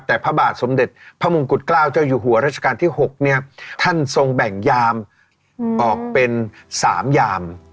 แต่พระบาทสมเด็จพระมงกุฎเกล้าเจ้าอยู่หัวราชการที่๖เนี่ยท่านทรงแบ่งยามออกเป็น๓ยาม